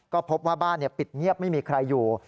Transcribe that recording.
ก็พบว่าบ้านปิดเงียบไม่มีใครอยู่